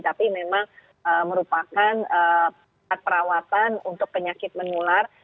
tapi memang merupakan perawatan untuk penyakit menular